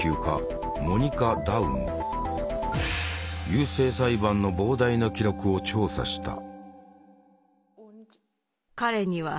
優生裁判の膨大な記録を調査した。